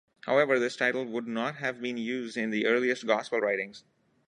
However, this title would not have been used in the earliest Gospel writings.